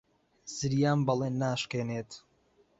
زریان بەڵێن ناشکێنێت.